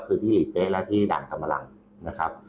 คือที่หลีเป๊ะและที่ด่านธรรมรังนะครับ